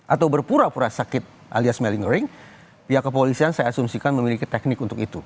atau berpura pura sakit alias melingering pihak kepolisian saya asumsikan memiliki teknik untuk itu